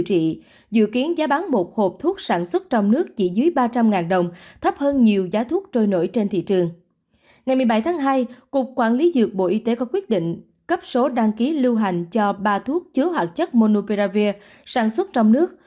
ngày một mươi bảy tháng hai cục quản lý dược bộ y tế có quyết định cấp số đăng ký lưu hành cho ba thuốc chứa hoạt chất monukravir sản xuất trong nước